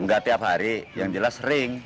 nggak tiap hari yang jelas sering